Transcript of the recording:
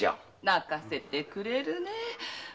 泣かせてくれるねえ。